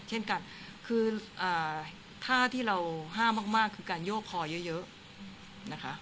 เช่นกันคือท่าที่เราห้ามมากคือการโยกคอเยอะนะคะ